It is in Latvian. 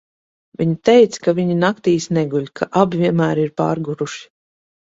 Viņa teica, ka viņi naktīs neguļ, ka abi vienmēr ir pārguruši.